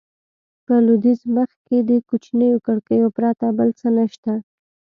په لوېدیځ مخ کې د کوچنیو کړکیو پرته بل څه نه شته.